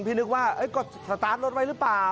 นึกว่าก็สตาร์ทรถไว้หรือเปล่า